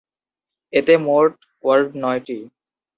এতে মোট ওয়ার্ড নয়টি।